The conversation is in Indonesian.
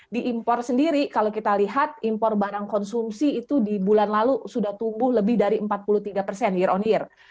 di impor sendiri kalau kita lihat impor barang konsumsi itu di bulan lalu sudah tumbuh lebih dari empat puluh tiga persen year on year